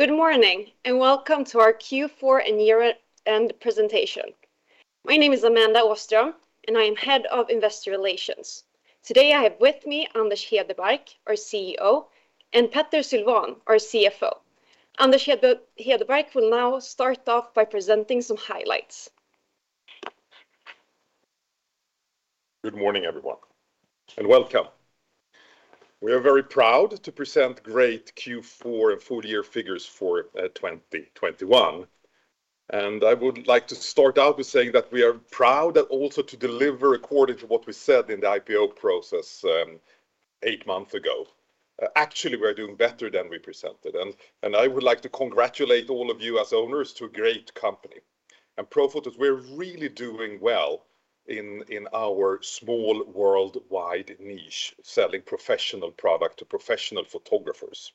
Good morning, and welcome to our Q4 and year-end presentation. My name is Amanda Åström, and I am Head of Investor Relations. Today, I have with me Anders Hedebark, our CEO, and Petter Sylvan, our CFO. Anders Hedebark will now start off by presenting some highlights. Good morning, everyone, and welcome. We are very proud to present great Q4 and full-year figures for 2021. I would like to start out with saying that we are proud also to deliver according to what we said in the IPO process, eight months ago. Actually, we are doing better than we presented, and I would like to congratulate all of you as owners to a great company. At Profoto, we're really doing well in our small worldwide niche, selling professional product to professional photographers.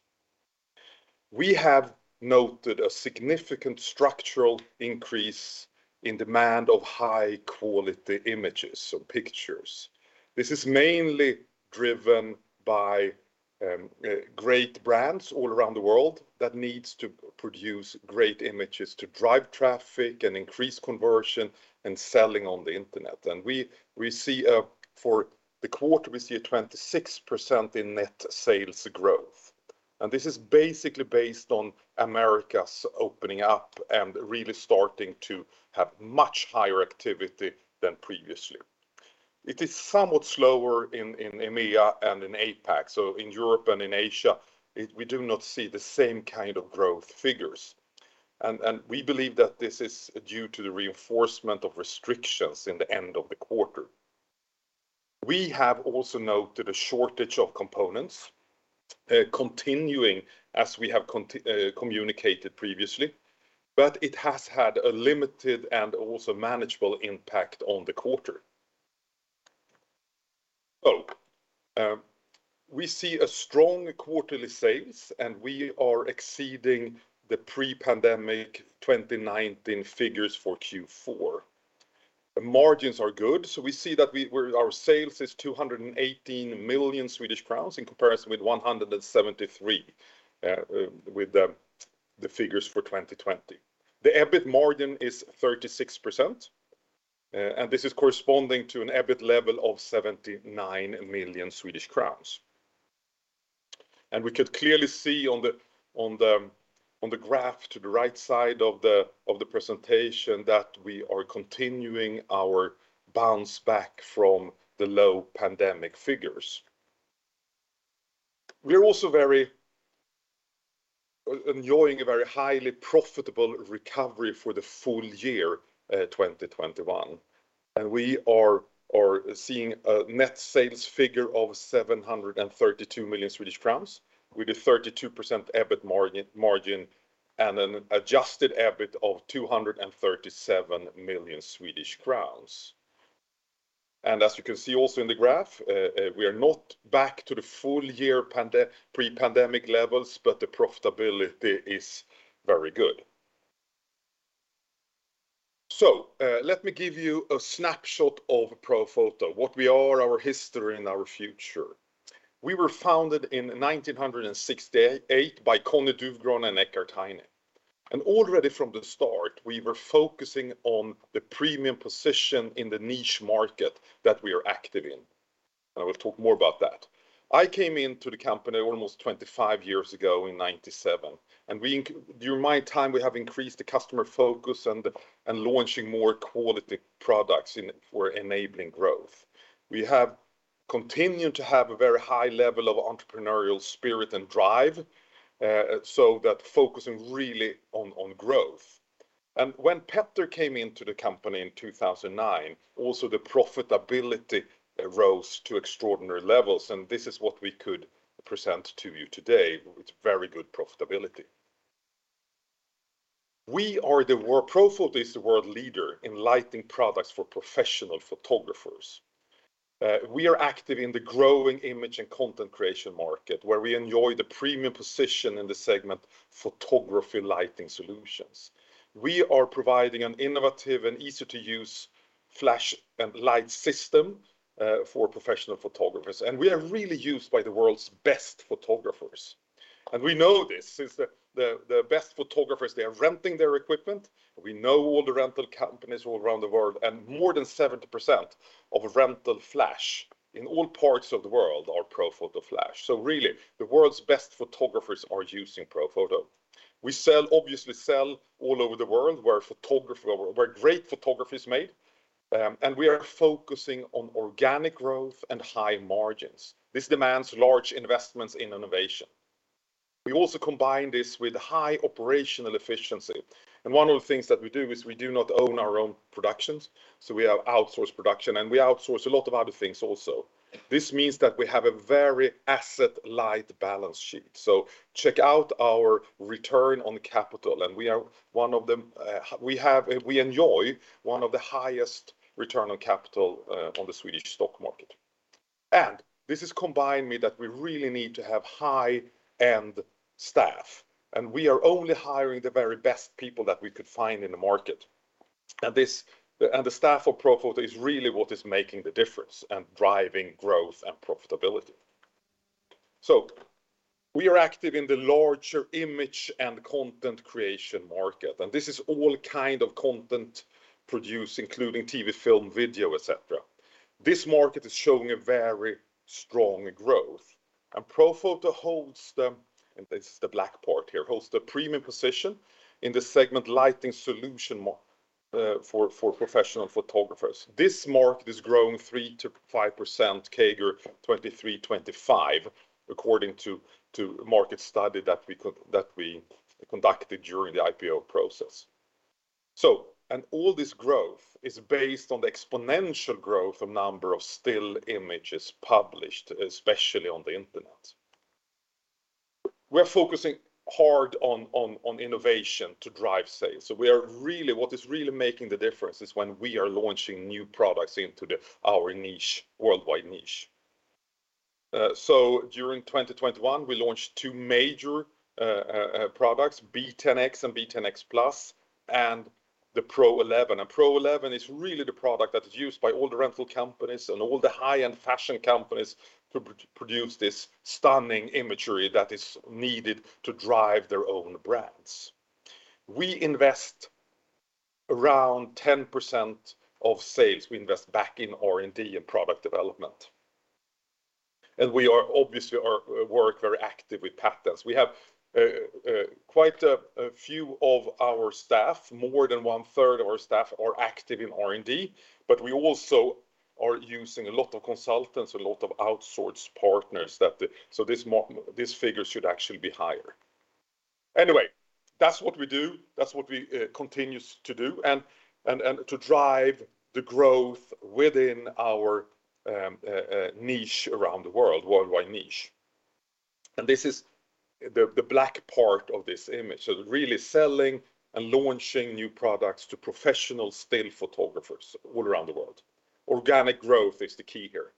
We have noted a significant structural increase in demand of high-quality images, so pictures. This is mainly driven by great brands all around the world that needs to produce great images to drive traffic and increase conversion and selling on the internet. We see for the quarter a 26% in net sales growth. This is basically based on America's opening up and really starting to have much higher activity than previously. It is somewhat slower in EMEA and in APAC. In Europe and in Asia, we do not see the same kind of growth figures. We believe that this is due to the reinforcement of restrictions in the end of the quarter. We have also noted a shortage of components continuing as we have communicated previously, but it has had a limited and also manageable impact on the quarter. We see a strong quarterly sales, and we are exceeding the pre-pandemic 2019 figures for Q4. The margins are good, so we see that our sales is 218 million Swedish crowns in comparison with 173 million with the figures for 2020. The EBIT margin is 36%, and this is corresponding to an EBIT level of 79 million Swedish crowns. We could clearly see on the graph to the right side of the presentation that we are continuing our bounce back from the low pandemic figures. We're also very much enjoying a very highly profitable recovery for the full year 2021, and we are seeing a net sales figure of 732 million Swedish crowns with a 32% EBIT margin and an adjusted EBIT of 237 million Swedish crowns. As you can see also in the graph, we are not back to the full year pre-pandemic levels, but the profitability is very good. Let me give you a snapshot of Profoto, what we are, our history, and our future. We were founded in 1968 by Conny Dufgran and Eckhard Heine. Already from the start, we were focusing on the premium position in the niche market that we are active in. I will talk more about that. I came into the company almost 25 years ago in 1997, and during my time, we have increased the customer focus and launching more quality products for enabling growth. We have continued to have a very high level of entrepreneurial spirit and drive, so that focusing really on growth. When Petter came into the company in 2009, also the profitability rose to extraordinary levels, and this is what we could present to you today with very good profitability. Profoto is the world leader in lighting products for professional photographers. We are active in the growing image and content creation market, where we enjoy the premium position in the segment photography lighting solutions. We are providing an innovative and easy-to-use flash and light system, for professional photographers, and we are really used by the world's best photographers. We know this since the best photographers, they are renting their equipment. We know all the rental companies all around the world, and more than 70% of rental flash in all parts of the world are Profoto flash. Really, the world's best photographers are using Profoto. We sell obviously all over the world where great photography is made, and we are focusing on organic growth and high margins. This demands large investments in innovation. We also combine this with high operational efficiency, and one of the things that we do is we do not own our own productions, so we have outsourced production, and we outsource a lot of other things also. This means that we have a very asset-light balance sheet. Check out our return on capital, and we are one of the, we have, we enjoy one of the highest return on capital on the Swedish stock market. This combined means that we really need to have high-end staff, and we are only hiring the very best people that we could find in the market. This, the staff of Profoto is really what is making the difference and driving growth and profitability. We are active in the larger image and content creation market, and this is all kind of content produced, including TV, film, video, et cetera. This market is showing a very strong growth, and Profoto holds the, and this is the black part here, holds the premium position in the segment lighting solution for professional photographers. This market is growing 3%-5% CAGR 2023-2025 according to market study that we conducted during the IPO process. All this growth is based on the exponential growth of number of still images published, especially on the internet. We're focusing hard on innovation to drive sales. What is really making the difference is when we are launching new products into our niche, worldwide niche. During 2021, we launched two major products, B10X and B10X Plus, and the Pro-11. The Pro-11 is really the product that is used by all the rental companies and all the high-end fashion companies to produce this stunning imagery that is needed to drive their own brands. We invest around 10% of sales back in R&D and product development. We are obviously working very actively with patents. We have quite a few of our staff, more than one-third of our staff are active in R&D, but we also are using a lot of consultants, a lot of outsourced partners, so this figure should actually be higher. Anyway, that's what we do. That's what we continues to do and to drive the growth within our niche around the world, worldwide niche. This is the black part of this image. Really selling and launching new products to professional still photographers all around the world. Organic growth is the key here.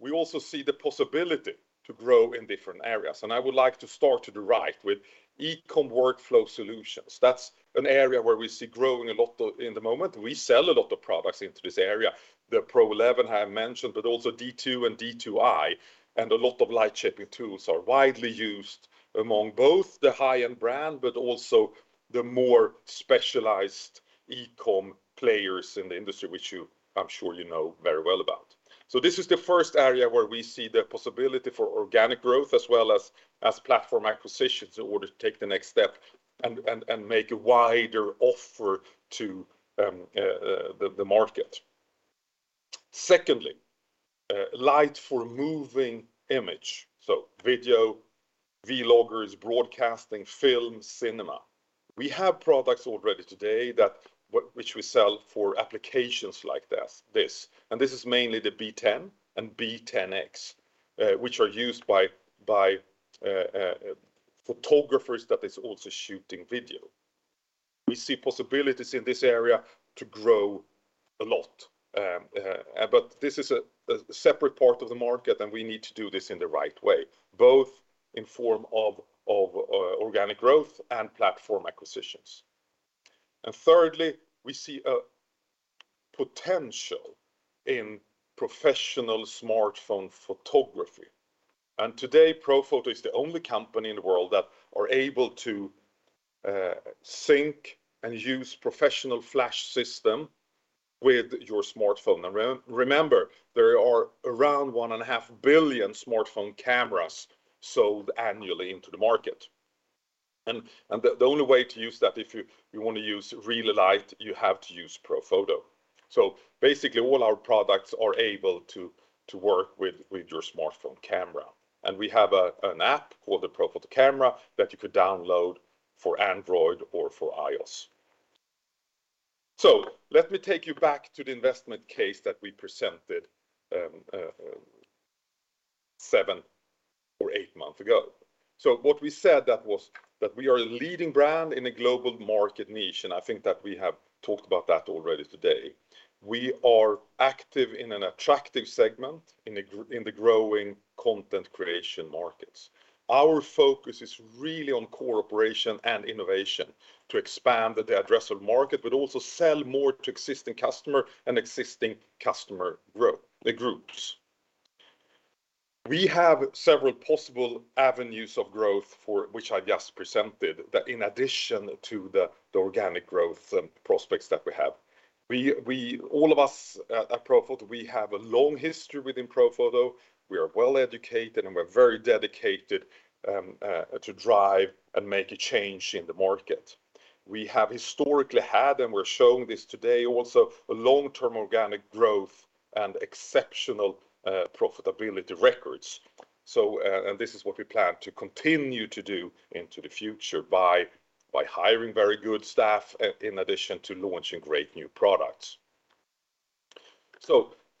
We also see the possibility to grow in different areas. I would like to start to the right with e-com workflow solutions. That's an area where we see growing a lot of in the moment. We sell a lot of products into this area. The Pro-11 I have mentioned, but also D2 and D2i, and a lot of light-shaping tools are widely used among both the high-end brand, but also the more specialized e-com players in the industry, which you, I'm sure you know very well about. This is the first area where we see the possibility for organic growth as well as platform acquisitions in order to take the next step and make a wider offer to the market. Secondly, light for moving image. Video, vloggers, broadcasting, film, cinema. We have products already today that which we sell for applications like this. This is mainly the B10 and B10X, which are used by photographers that is also shooting video. We see possibilities in this area to grow a lot. But this is a separate part of the market, and we need to do this in the right way, both in form of organic growth and platform acquisitions. Thirdly, we see a potential in professional smartphone photography. Today, Profoto is the only company in the world that are able to sync and use professional flash system with your smartphone. Remember, there are around 1.5 billion smartphone cameras sold annually into the market. The only way to use that, if you wanna use real light, you have to use Profoto. Basically, all our products are able to work with your smartphone camera. We have an app called the Profoto Camera that you could download for Android or for iOS. Let me take you back to the investment case that we presented seven or eight months ago. What we said that was that we are a leading brand in a global market niche, and I think that we have talked about that already today. We are active in an attractive segment in the growing content creation markets. Our focus is really on core operation and innovation to expand the addressable market, but also sell more to existing customer and existing customer groups. We have several possible avenues of growth for which I just presented that in addition to the organic growth prospects that we have. All of us at Profoto, we have a long history within Profoto. We are well educated, and we're very dedicated to drive and make a change in the market. We have historically had, and we're showing this today also, long-term organic growth and exceptional profitability records. This is what we plan to continue to do into the future by hiring very good staff in addition to launching great new products.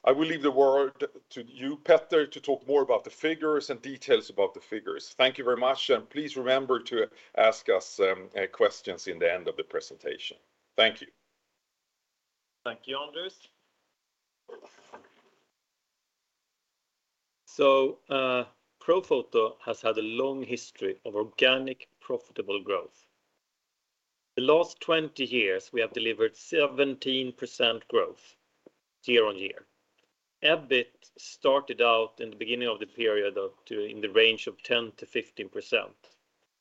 I will leave the word to you, Petter, to talk more about the figures and details about the figures. Thank you very much, and please remember to ask us questions in the end of the presentation. Thank you. Thank you, Anders. Profoto has had a long history of organic profitable growth. The last 20 years, we have delivered 17% growth year-on-year. EBIT started out in the beginning of the period up to in the range of 10%-15%.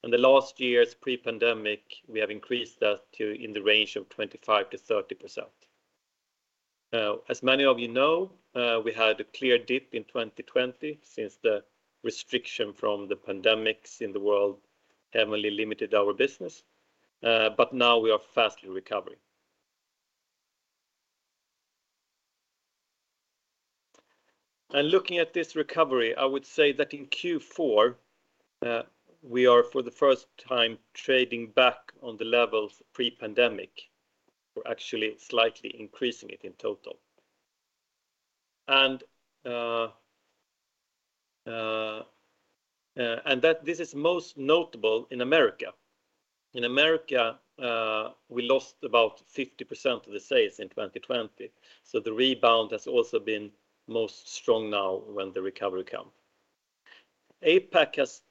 In the last years pre-pandemic, we have increased that to in the range of 25%-30%. Now, as many of you know, we had a clear dip in 2020 since the restrictions from the pandemic in the world heavily limited our business, but now we are rapidly recovering. Looking at this recovery, I would say that in Q4, we are for the first time trading back on the levels pre-pandemic. We're actually slightly increasing it in total, and that this is most notable in America. In America, we lost about 50% of the sales in 2020, so the rebound has also been most strong now when the recovery come. APAC has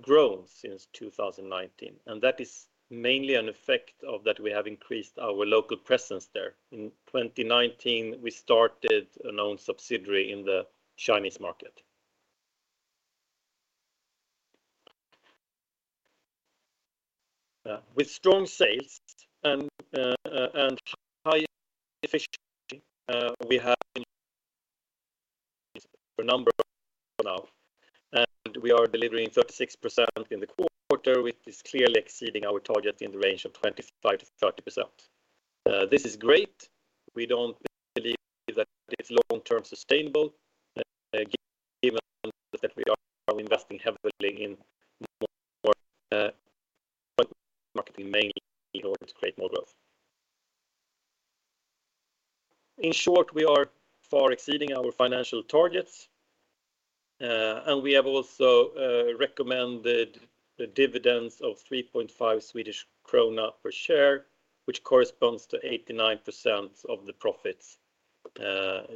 grown since 2019, and that is mainly an effect of that we have increased our local presence there. In 2019, we started an owned subsidiary in the Chinese market. With strong sales and high efficiency, we are delivering 36% in the quarter, which is clearly exceeding our target in the range of 25%-30%. This is great. We don't believe that it's long-term sustainable, given that we are investing heavily in more marketing mainly in order to create more growth. In short, we are far exceeding our financial targets, and we have also recommended the dividends of 3.5 Swedish krona per share, which corresponds to 89% of the profits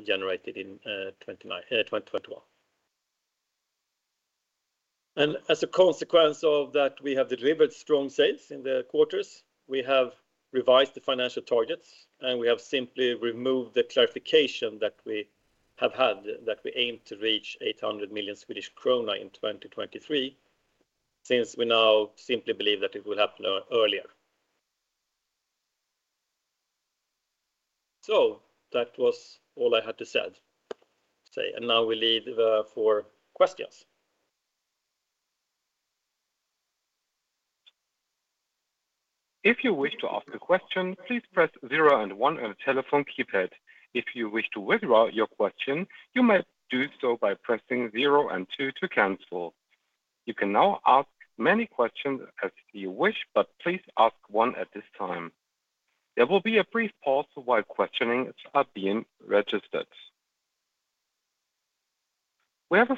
generated in 2021. As a consequence of that, we have delivered strong sales in the quarters. We have revised the financial targets, and we have simply removed the clarification that we have had that we aim to reach 800 million Swedish krona in 2023, since we now simply believe that it will happen earlier. That was all I had to say, and now we leave for questions. We have a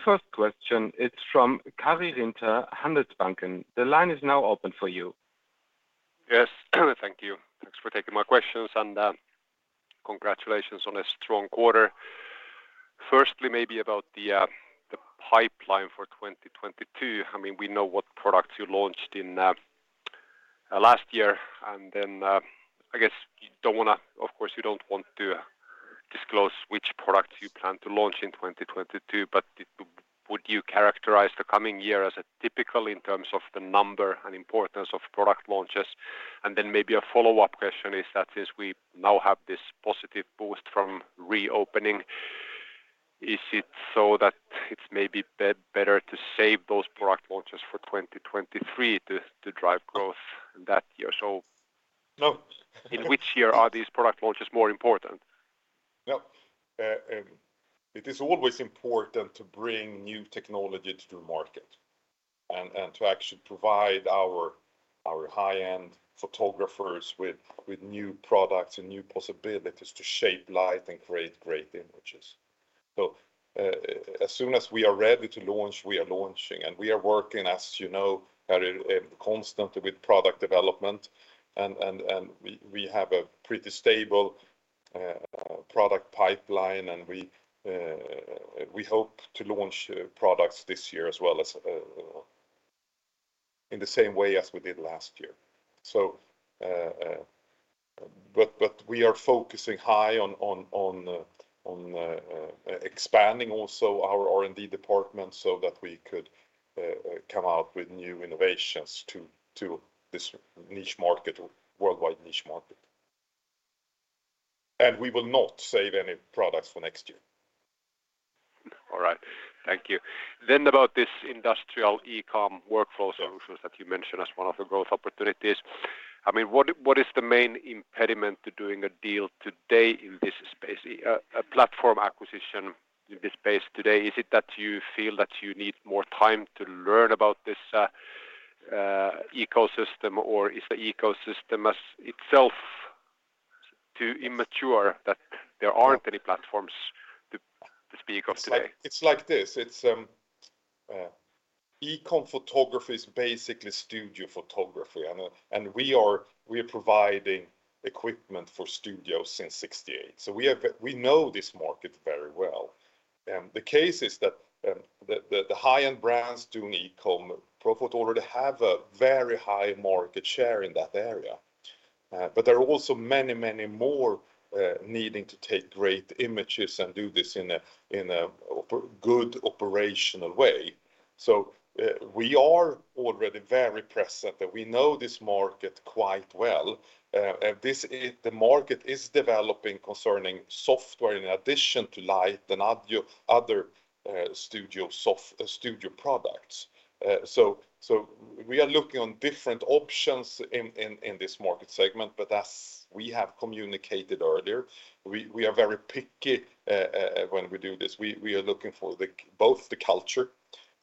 first question. It's from Karri Rinta, Handelsbanken. The line is now open for you. Yes, thank you. Thanks for taking my questions, and congratulations on a strong quarter. Firstly, maybe about the pipeline for 2022. I mean, we know what products you launched in last year, and then I guess you don't wanna, of course, you don't want to disclose which products you plan to launch in 2022. But would you characterize the coming year as typical in terms of the number and importance of product launches? And then maybe a follow-up question is that since we now have this positive boost from reopening, is it so that it's maybe better to save those product launches for 2023 to drive growth that year? No In which year are these product launches more important? No. It is always important to bring new technology to the market and to actually provide our high-end photographers with new products and new possibilities to shape light and create great images. As soon as we are ready to launch, we are launching, and we are working, as you know, constantly with product development. We have a pretty stable product pipeline, and we hope to launch products this year as well as in the same way as we did last year. But we are focusing high on expanding also our R&D department so that we could come out with new innovations to this niche market or worldwide niche market. We will not save any products for next year. All right. Thank you. About this industrial e-com workflow solutions that you mentioned as one of the growth opportunities. I mean, what is the main impediment to doing a deal today in this space? A platform acquisition in this space today, is it that you feel that you need more time to learn about this ecosystem? Or is the ecosystem itself too immature that there aren't any platforms to speak of today? It's like this. E-com photography is basically studio photography, and we are providing equipment for studios since 1968. We know this market very well. The case is that the high-end brands do need e-com. Profoto already have a very high market share in that area, but there are also many more needing to take great images and do this in a good operational way. We are already very present and we know this market quite well. The market is developing concerning software in addition to light and other studio products. We are looking on different options in this market segment, but as we have communicated earlier, we are very picky when we do this. We are looking for both the culture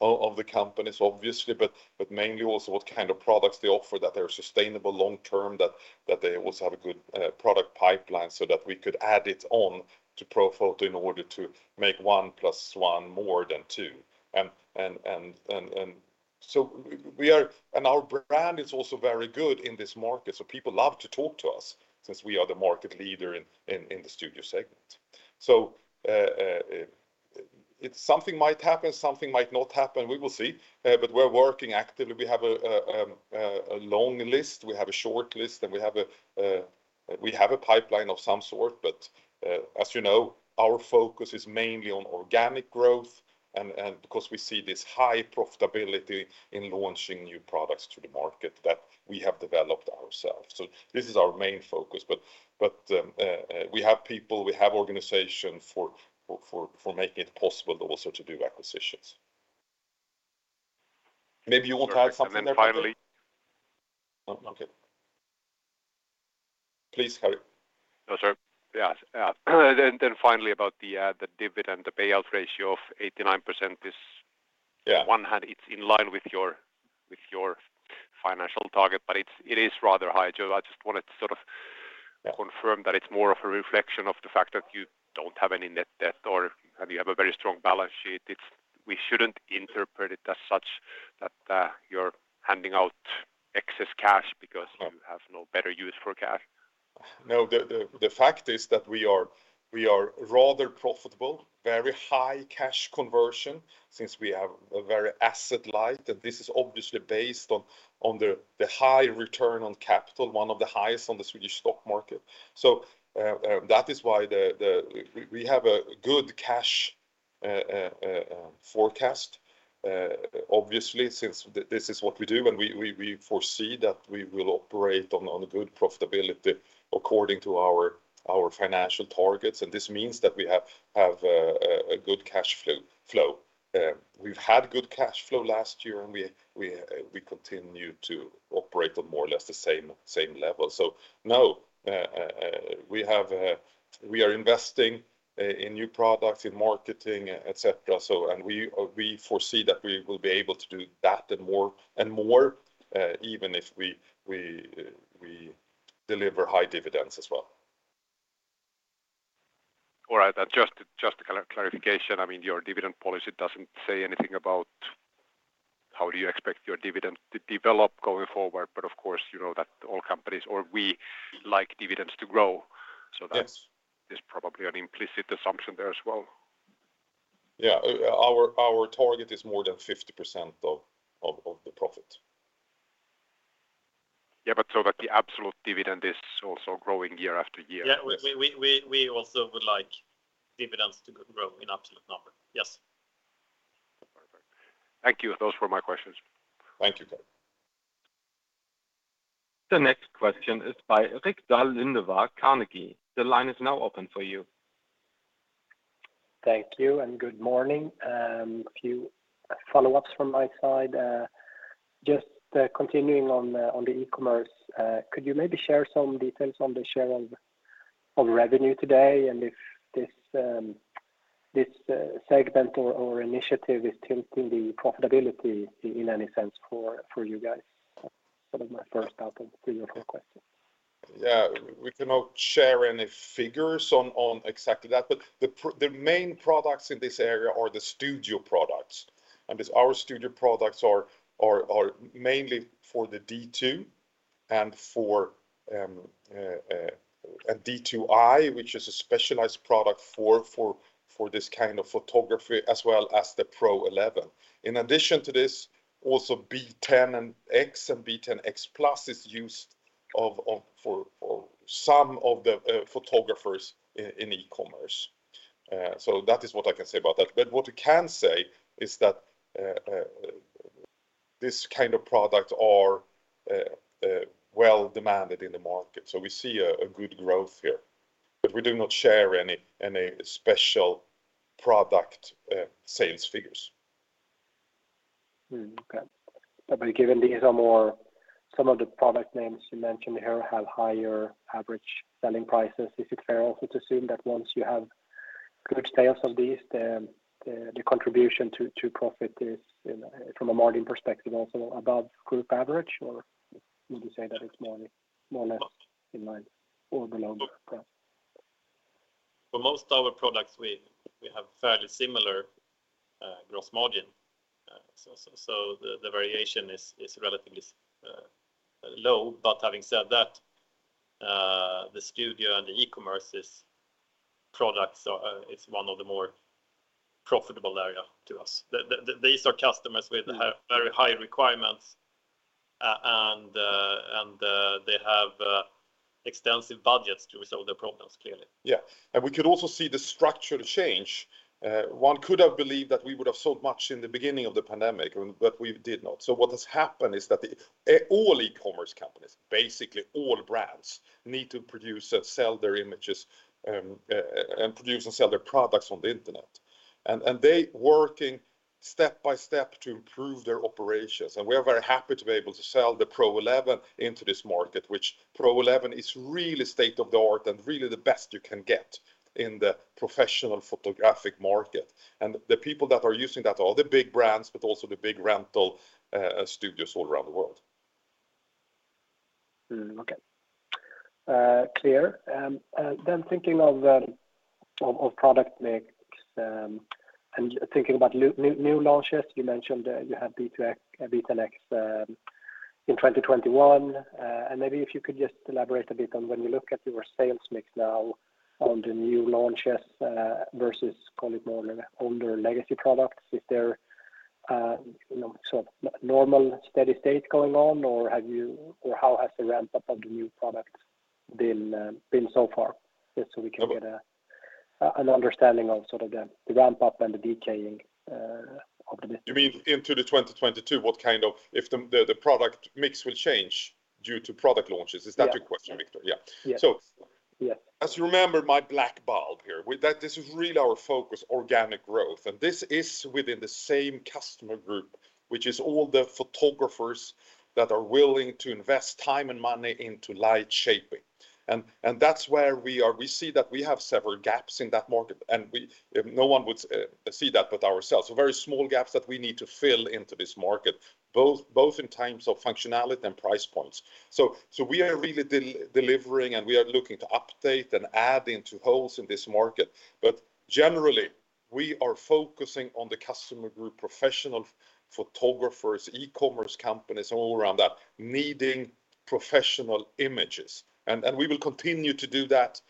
of the companies, obviously, but mainly also what kind of products they offer that are sustainable long term, that they also have a good product pipeline so that we could add it on to Profoto in order to make one plus one more than two. Our brand is also very good in this market, so people love to talk to us since we are the market leader in the studio segment. Something might happen, something might not happen. We will see. We're working actively. We have a long list. We have a short list, and we have a pipeline of some sort. As you know, our focus is mainly on organic growth and because we see this high profitability in launching new products to the market that we have developed ourselves. This is our main focus. We have people, we have organization for making it possible also to do acquisitions. Maybe you want to add something there, Petter? Finally. Oh, okay. Please, Karri. No, sir. Yes. Yeah. Finally about the dividend, the payout ratio of 89% is- Yeah On the one hand, it's in line with your financial target, but it is rather high. So I just wanted to sort of Yeah... confirm that it's more of a reflection of the fact that you don't have any net debt or you have a very strong balance sheet. We shouldn't interpret it as such that you're handing out excess cash because- No You have no better use for cash. No. The fact is that we are rather profitable, very high cash conversion since we have a very asset light. This is obviously based on the high return on capital, one of the highest on the Swedish stock market. That is why we have a good cash forecast, obviously, since this is what we do and we foresee that we will operate on a good profitability according to our financial targets. This means that we have a good cash flow. We've had good cash flow last year, and we continue to operate on more or less the same level. No, we are investing in new products, in marketing, et cetera. We foresee that we will be able to do that and more and more, even if we deliver high dividends as well. All right. Just to clarify, I mean, your dividend policy doesn't say anything about how do you expect your dividend to develop going forward, but of course you know that all companies or we like dividends to grow. So that's. Yes is probably an implicit assumption there as well. Yeah. Our target is more than 50% of the profit. Yeah. That the absolute dividend is also growing year after year. Yeah. We also would like dividends to grow in absolute number. Yes. Perfect. Thank you. Those were my questions. Thank you. The next question is by Rickard Lundevall, Carnegie. The line is now open for you. Thank you and good morning. A few follow-ups from my side. Just continuing on the e-commerce, could you maybe share some details on the share of revenue today and if this segment or initiative is tilting the profitability in any sense for you guys? Sort of my first out of three or four questions. Yeah. We cannot share any figures on exactly that, but the main products in this area are the studio products. These our studio products are mainly for the D2 and for a D2i, which is a specialized product for this kind of photography, as well as the Pro-11. In addition to this, also B10X and B10X Plus is used for some of the photographers in e-commerce. That is what I can say about that. What we can say is that this kind of product are well demanded in the market. We see a good growth here, but we do not share any special product sales figures. Okay. Given these are some more of the product names you mentioned here have higher average selling prices, is it fair also to assume that once you have good sales on these, then the contribution to profit is, you know, from a margin perspective also above group average? Or would you say that it's more or less in line or below that? For most of our products we have fairly similar gross margin. So the variation is relatively low. But having said that, the studio and the e-commerce products are one of the more profitable areas for us. These are customers with very high requirements and they have extensive budgets to resolve their problems clearly. Yeah. We could also see the structural change. One could have believed that we would have sold much in the beginning of the pandemic, but we did not. What has happened is that all e-commerce companies, basically all brands need to produce and sell their images and produce and sell their products on the internet. They are working step-by-step to improve their operations. We are very happy to be able to sell the Pro-11 into this market, which Pro-11 is really state-of-the-art and really the best you can get in the professional photographic market. The people that are using that are all the big brands, but also the big rental studios all around the world. Okay. Clear. Thinking of product mix and thinking about new launches, you mentioned you have B10X in 2021. And maybe if you could just elaborate a bit on when you look at your sales mix now on the new launches versus call it more older legacy products. Is there you know sort of normal steady state going on, or how has the ramp up of the new products been so far? Just so we can get an understanding of sort of the ramp up and the decaying of the mix. You mean into 2022, what kind of if the product mix will change due to product launches? Yeah. Is that your question, Rickard? Yeah. Yeah. So- Yeah. As you remember, my black bulb here, with that this is really our focus, organic growth. This is within the same customer group, which is all the photographers that are willing to invest time and money into light-shaping. That's where we are. We see that we have several gaps in that market, and no one would see that but ourselves. Very small gaps that we need to fill into this market, both in terms of functionality and price points. We are really delivering, and we are looking to update and add into holes in this market. Generally, we are focusing on the customer group, professional photographers, e-commerce companies, all around that, needing professional images. We will continue to do that.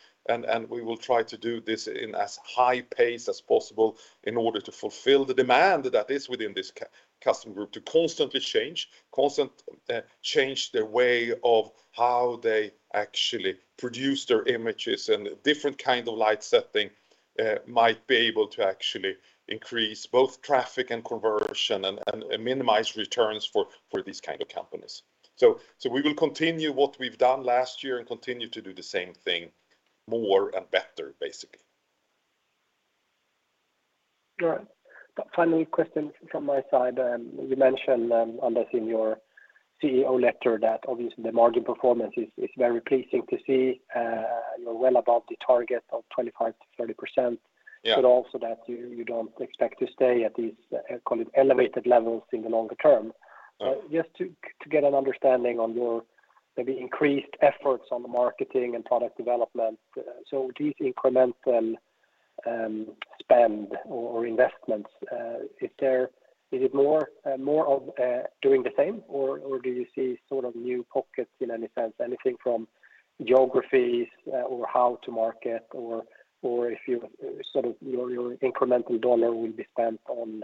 We will try to do this in as high pace as possible in order to fulfill the demand that is within this customer group to constantly change their way of how they actually produce their images and different kind of light setting might be able to actually increase both traffic and conversion and minimize returns for these kind of companies. We will continue what we've done last year and continue to do the same thing more and better, basically. All right. Finally, question from my side, you mentioned Anders in your CEO letter that obviously the margin performance is very pleasing to see, you know, well above the target of 25%-30%. Yeah. also that you don't expect to stay at these, call it elevated levels in the longer term. No. Just to get an understanding on your maybe increased efforts on the marketing and product development. These incremental spend or investments, is it more of doing the same or do you see sort of new pockets in any sense, anything from geographies, or how to market or if your incremental dollar will be spent on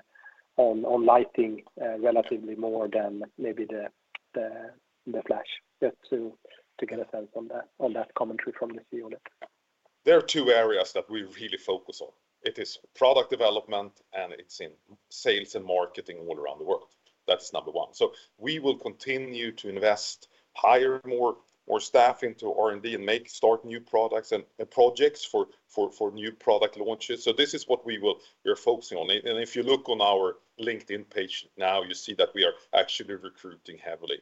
lighting, relatively more than maybe the flash? Just to get a sense on that commentary from the CEO letter. There are two areas that we really focus on. It is product development, and it's in sales and marketing all around the world. That's number one. We will continue to invest, hire more staff into R&D and start new products and projects for new product launches. This is what we're focusing on. If you look on our LinkedIn page now, you see that we are actually recruiting heavily.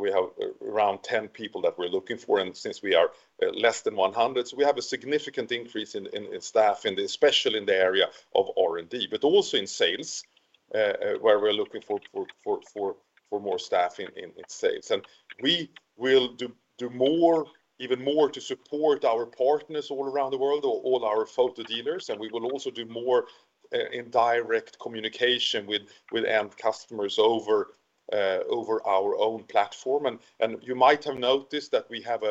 We have around 10 people that we're looking for. Since we are less than 100, we have a significant increase in staff, and especially in the area of R&D, but also in sales, where we're looking for more staff in sales. We will do more, even more to support our partners all around the world or all our photo dealers, and we will also do more in direct communication with end customers over our own platform. You might have noticed that we have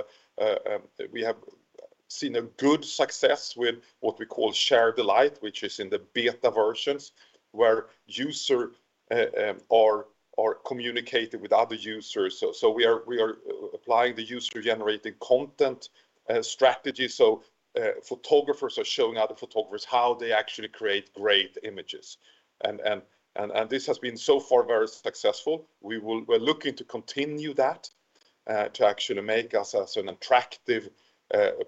seen a good success with what we call Share the Light, which is in the beta versions, where users communicate with other users. We are applying the user-generated content strategy. Photographers are showing other photographers how they actually create great images. This has been so far very successful. We're looking to continue that, to actually make us an attractive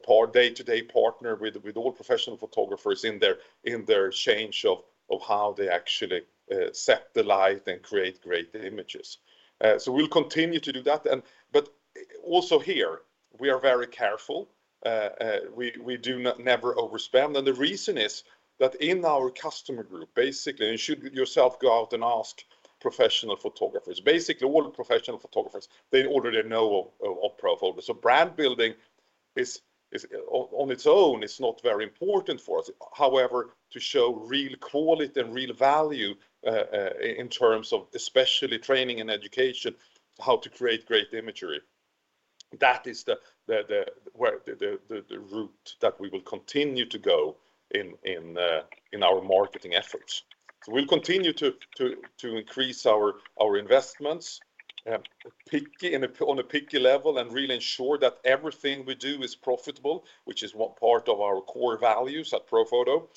party-to-day partner with all professional photographers in their change of how they actually set the light and create great images. We'll continue to do that, but also here we are very careful. We do never overspend. The reason is that in our customer group, basically, and if you should go out and ask professional photographers, basically all professional photographers, they already know of Profoto. So brand building is, on its own, not very important for us. However, to show real quality and real value, in terms of especially training and education, how to create great imagery, that is the route that we will continue to go in our marketing efforts. We'll continue to increase our investments pickily on a picky level and really ensure that everything we do is profitable, which is one part of our core values at Profoto.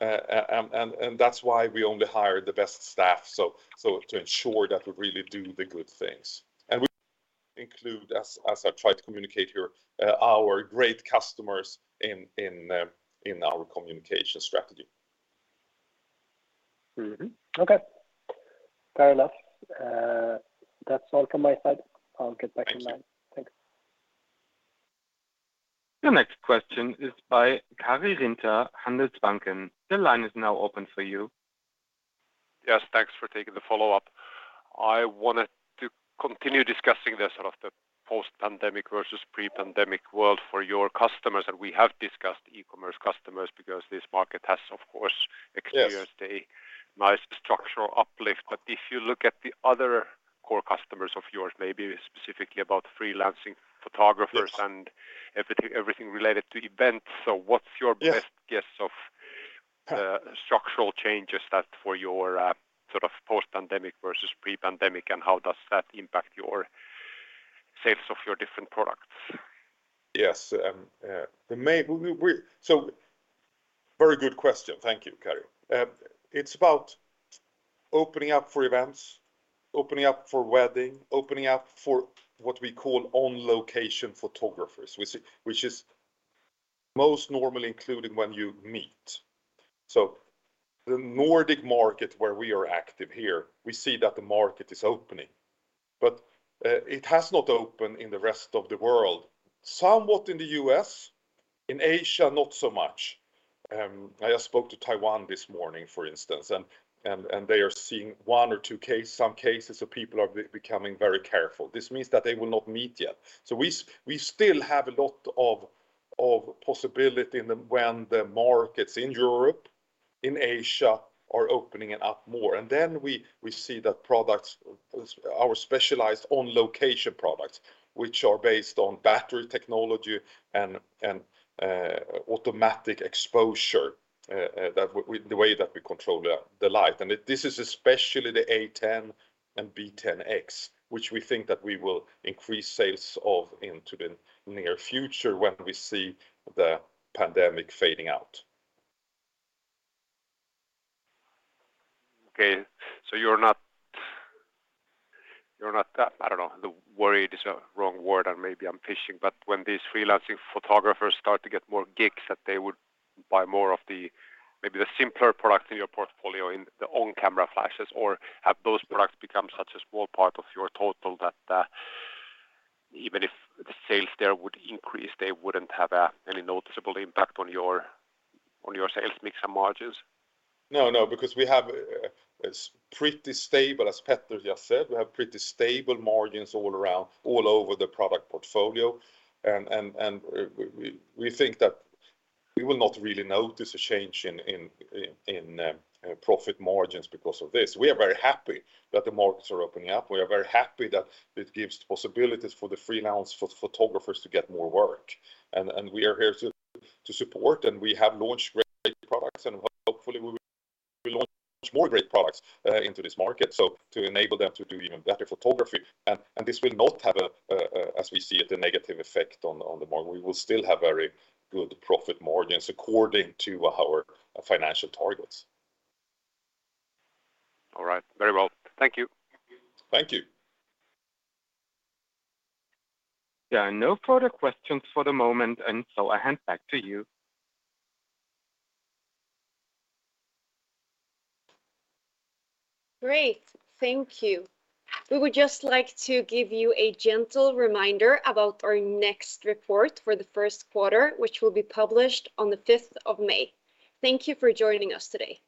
That's why we only hire the best staff, so to ensure that we really do the good things. We include, as I've tried to communicate here, our great customers in our communication strategy. Okay. Fair enough. That's all from my side. I'll get back in line. Thank you. Thanks. The next question is by Karri Rinta, Handelsbanken. The line is now open for you. Yes, thanks for taking the follow-up. I wanted to continue discussing the sort of the post-pandemic versus pre-pandemic world for your customers, and we have discussed e-commerce customers because this market has, of course. Yes... experienced a nice structural uplift. If you look at the other core customers of yours, maybe specifically about freelancing photographers. Yes Everything related to events, so what's your Yes best guess of structural changes that for your sort of post-pandemic versus pre-pandemic, and how does that impact your sales of your different products? Yes. Very good question. Thank you, Karri. It's about opening up for events, opening up for weddings, opening up for what we call on-location photographers, which is most normally included when you meet. The Nordic market where we are active here, we see that the market is opening, but it has not opened in the rest of the world. Somewhat in the U.S. In Asia, not so much. I just spoke to Taiwan this morning, for instance, and they are seeing one or two cases, some cases of people are becoming very careful. This means that they will not meet yet. We still have a lot of possibility when the markets in Europe, in Asia are opening up more. We see that products, our specialized on-location products, which are based on battery technology and automatic exposure, that we the way that we control the light. This is especially the A10 and B10X, which we think that we will increase sales of into the near future when we see the pandemic fading out. Okay, you're not, I don't know, worried is a wrong word, and maybe I'm fishing, but when these freelancing photographers start to get more gigs, that they would buy more of the, maybe the simpler products in your portfolio, in the on-camera flashes, or have those products become such a small part of your total that, even if the sales there would increase, they wouldn't have any noticeable impact on your sales mix and margins? No, because we have pretty stable, as Petter just said, we have pretty stable margins all around, all over the product portfolio, and we think that we will not really notice a change in profit margins because of this. We are very happy that the markets are opening up. We are very happy that it gives possibilities for the freelance photographers to get more work. We are here to support, and we have launched great products, and hopefully, we will launch much more great products into this market to enable them to do even better photography. This will not have, as we see it, a negative effect on the margin. We will still have very good profit margins according to our financial targets. All right. Very well. Thank you. Thank you. There are no further questions for the moment, and so I hand back to you. Great. Thank you. We would just like to give you a gentle reminder about our next report for the first quarter, which will be published on the 5th of May. Thank you for joining us today.